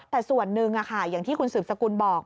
แต่ส่วนหนึ่งอย่างที่คุณสืบสกุลบอก